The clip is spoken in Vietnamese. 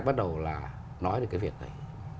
bắt đầu là nói được cái việc đấy